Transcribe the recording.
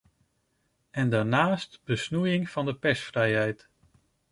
En daarnaast besnoeiing van de persvrijheid.